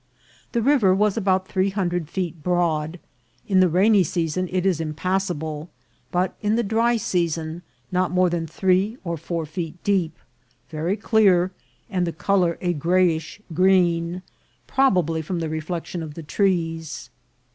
The river was about three hundred feet broad. In the rainy season it is impassable, but in the dry season not more than three or four feet deep, very clear, and Jhe colour a grayish green, probably from the reflection of the trees.